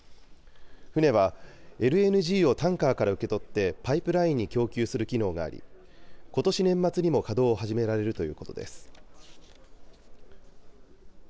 船はＬＮＧをタンカーから受け取って、パイプラインに供給する機能が在り、ことし年末にも稼働を始められるということです。